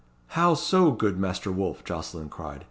"How so, good Master Wolfe?" Jocelyn cried.